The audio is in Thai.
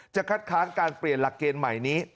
คัดค้านการเปลี่ยนหลักเกณฑ์ใหม่นี้